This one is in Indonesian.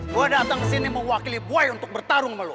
gue datang kesini mewakili boy untuk bertarung sama lo